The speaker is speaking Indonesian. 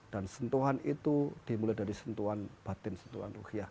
dan sentuhan itu dimulai dari batin sentuhan rohiyah